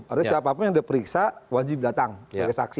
artinya siapa siapa yang diperiksa wajib datang sebagai saksi